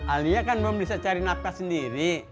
alia kan belum bisa cari nafkah sendiri